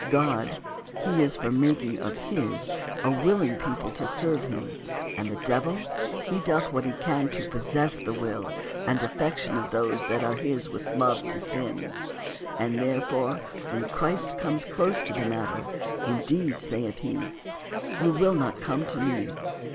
God, He is for making of His a willing people to serve Him ; and the devil, he doth what he can to possess the will and affection of those that are his with love to sin ; and there fore when Christ comes close to the matter, in deed, saith He, '' You will not come to Me.